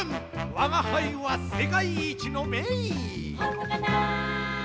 わがはいはせかいいちのめいいほんとかな？